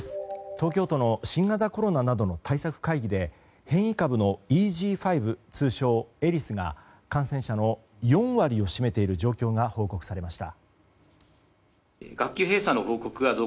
東京都の新型コロナなどの対策会議で変異株のＥＧ．５通称エリスが感染者の４割を占めている状況が報告されました。